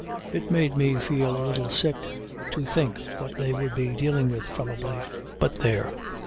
It made me feel a little sick to think what they would be dealing with, probably. But there!